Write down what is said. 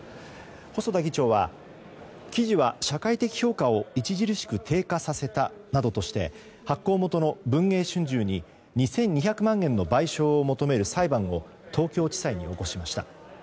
細田議長は、記事は社会的評価を著しく低下させたなどとして発行元の文藝春秋に２２００万円の賠償を求める裁判を東京地裁に起こしました。